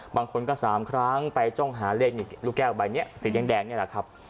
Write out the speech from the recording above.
บางคนก็สามครั้งไปลูกแก้วใบเนี้ยสีแดงเนี้ยแหละครับ